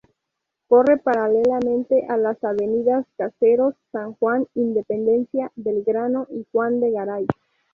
Corre paralelamente a las avenidas Caseros, San Juan; Independencia, Belgrano y Juan de Garay.